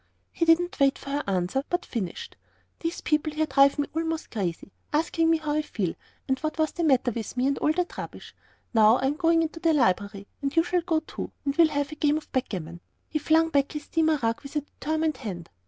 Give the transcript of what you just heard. He didn't wait for her to answer, but finished, "These people here drive me almost crazy, asking me how I feel, and what was the matter with me, and all that rubbish. Now, I'm going into the library, and you shall go too, and we'll have a game of backgammon." He flung back his steamer rug with a determined hand.